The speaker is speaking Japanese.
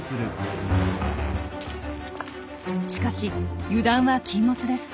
しかし油断は禁物です。